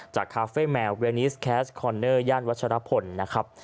คาเฟ่แมลเวนิสแคสคอนเนอร์ย่านวัชรพลนะครับ